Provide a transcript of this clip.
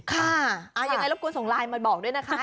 ค่ะยังไงรบกวนส่งไลน์มาบอกด้วยนะคะ